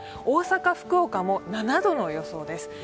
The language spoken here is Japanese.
大阪、福岡も７度の予想です。